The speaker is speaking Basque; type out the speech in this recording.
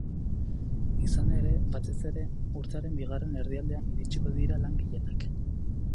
Izan ere, batez ere, urtearen bigarren erdialdean iritsiko dira lan gehienak.